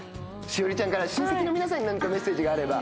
栞里ちゃんから親戚の皆さんに何かメッセージがあれば。